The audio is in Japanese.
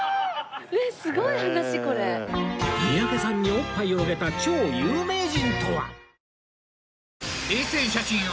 三宅さんにおっぱいをあげた超有名人とは？